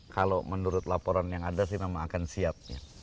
kalau menurut laporan yang ada sih memang akan siap